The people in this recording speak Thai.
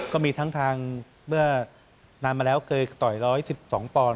ก็มีทั้งทางเมื่อนานมาแล้วเคยต่อย๑๑๒ปอนด